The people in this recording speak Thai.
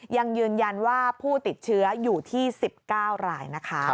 ยังยืนยันว่าผู้ติดเชื้ออยู่ที่๑๙รายนะคะ